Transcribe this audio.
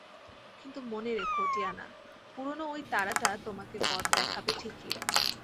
কিন্তু মনে রেখো, টিয়ানা, পুরনো ওই তারাটা তোমাকে পথ দেখাবে ঠিকই।